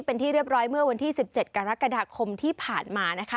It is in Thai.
เป็นที่เรียบร้อยเมื่อวันที่๑๗กรกฎาคมที่ผ่านมานะคะ